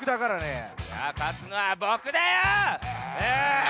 いやかつのはボクだよ！